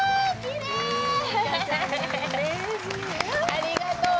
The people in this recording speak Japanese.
ありがとう！